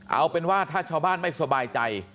เอาเป็นว่าถ้าชาวบ้านไม่สบายใจ